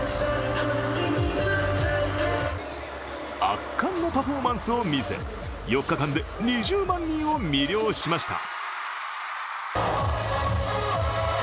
圧巻のパフォーマンスを見せ、４日間で２０万人を魅了しました。